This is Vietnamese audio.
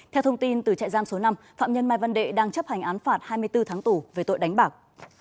theo thông tin từ trại giam số năm phạm nhân mai văn đệ đang chấp hành án phạt hai mươi bốn tháng tù về tội đánh bạc